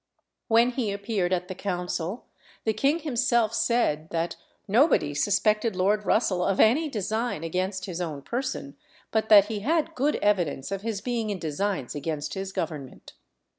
When he appeared at the council, the king himself said that "nobody suspected Lord Russell of any design against his own person, but that he had good evidence of his being in designs against his government."